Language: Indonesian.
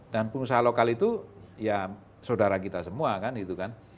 dan pengusaha lokal itu ya saudara kita semua kan itu kan